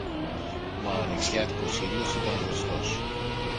Μα ο ανοιξιάτικος ήλιος ήταν ζεστός